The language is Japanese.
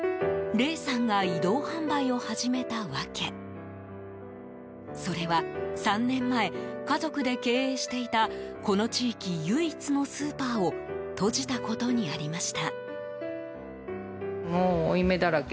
玲さんが移動販売を始めた訳それは３年前家族で経営していたこの地域唯一のスーパーを閉じたことにありました。